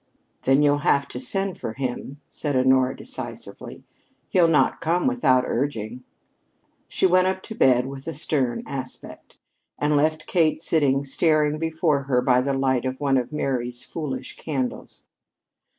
"Then you'll have to send for him," said Honora decisively. "He'll not come without urging." She went up to bed with a stern aspect, and left Kate sitting staring before her by the light of one of Mary's foolish candles.